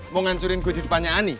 mau ngancurin gue di depannya ani